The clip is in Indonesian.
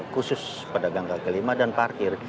khusus pedagang kaki lima dan parkir